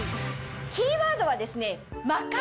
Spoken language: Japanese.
キーワードはですね。